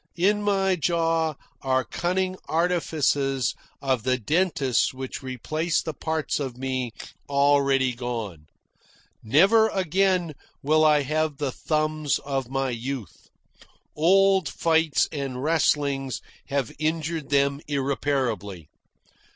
In my jaw are cunning artifices of the dentists which replace the parts of me already gone. Never again will I have the thumbs of my youth. Old fights and wrestlings have injured them irreparably.